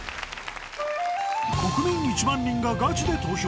国民１万人がガチで投票！